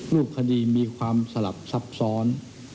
รูปคดีมีความสลับซับซ้อน